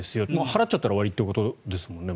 払っちゃったら終わりということですよね。